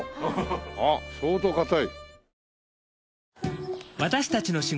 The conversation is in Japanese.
あっ相当硬い。